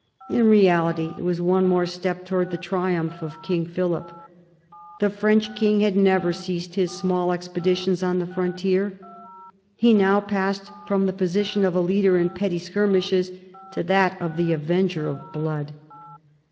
In reality it was one more step towards the triumph of King Philip. The French king had never ceased his small expeditions on the frontier. He now passed from the position of a leader in petty skirmishes to that of the avenger of blood.